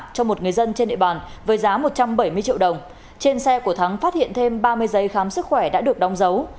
trên xe của thắng phát hiện thêm ba mươi giấy khám sức khỏe đã được đóng dấu